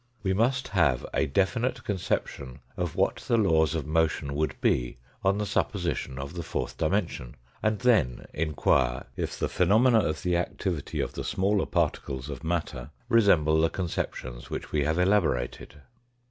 We must have a definite con ception of what the laws of motion would be on the supposition of the fourth dimension, and then inquire if the phenomena of the activity of the smaller particles of matter resemble the conceptions which we have elaborated.